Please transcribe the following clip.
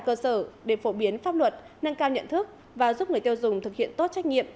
cơ sở để phổ biến pháp luật nâng cao nhận thức và giúp người tiêu dùng thực hiện tốt trách nhiệm